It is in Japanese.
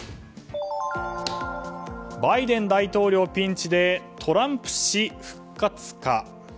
バイデン大統領ピンチでトランプ氏、復活か？